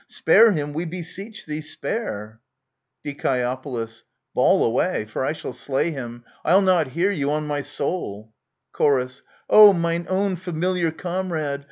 Spare him, we beseech thee, spare ! Die. Bawl away, for I shall slay him. Ill not hear you, on my souL Chor. Oh, mine own familiar comrade